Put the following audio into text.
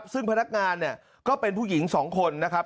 ซึ่งพนักงานเนี่ยก็เป็นผู้หญิง๒คนนะครับ